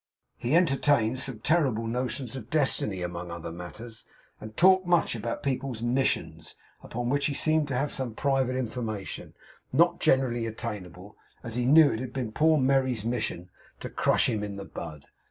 He entertained some terrible notions of Destiny, among other matters, and talked much about people's 'Missions'; upon which he seemed to have some private information not generally attainable, as he knew it had been poor Merry's mission to crush him in the bud.